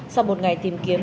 sau một ngày tìm kiếm